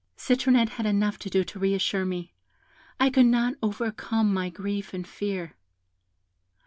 Citronette had enough to do to re assure me; I could not overcome my grief and fear.